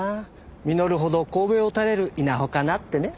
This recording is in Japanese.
「実るほど頭を垂れる稲穂かな」ってね。